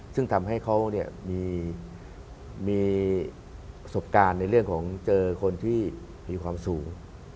ซึ่งทำให้เขามีประสบการณ์ในเรื่องของเจอคนที่มีความสูง